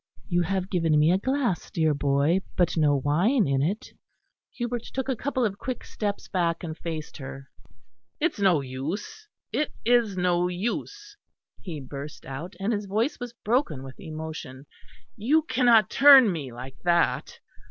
"You have given me a glass, dear boy; but no wine in it." Hubert took a couple of quick steps back, and faced her. "It is no use, it is no use," he burst out, and his voice was broken with emotion, "you cannot turn me like that.